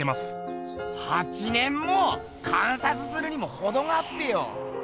８年も⁉観察するにもほどがあっぺよ！